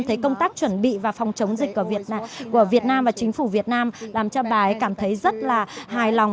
thấy công tác chuẩn bị và phòng chống dịch của việt nam và chính phủ việt nam làm cho bà cảm thấy rất là hài lòng